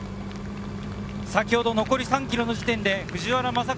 残り３ｋｍの時点で藤原正和